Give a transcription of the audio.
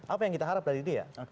apa yang kita harap dari dia